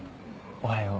おはよう。